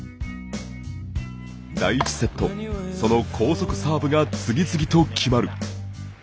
第１セット、その高速サーブが次々と決まる。